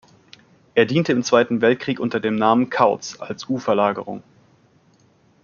Er diente im Zweiten Weltkrieg unter dem Namen "Kauz" als U-Verlagerung.